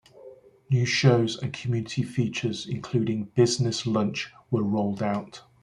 New shows and community features including Business Lunch were rolled out.